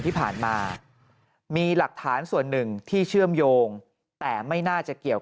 ที่ผ่านมามีหลักฐานส่วนหนึ่งที่เชื่อมโยงแต่ไม่น่าจะเกี่ยวกับ